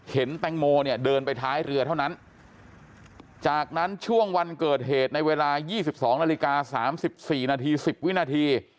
เห็นแตงโมเนี่ยเดินไปท้ายเรือเท่านั้นจากนั้นช่วงวันเกิดเหตุในเวลายี่สิบสองนาฬิกาสามสิบสี่นาทีสิบวินาที